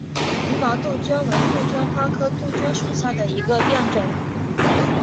凝毛杜鹃为杜鹃花科杜鹃属下的一个变种。